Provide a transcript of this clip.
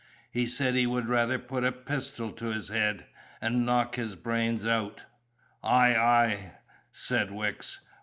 He said he would rather put a pistol to his head and knock his brains out." "Ay, ay!" said Wicks.